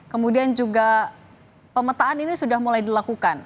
kemudian juga pemetaan ini sudah mulai dilakukan